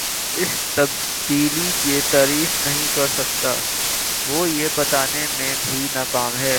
اس تبدیلی کی تعریف نہیں کر سکا وہ یہ بتانے میں بھی ناکام ہے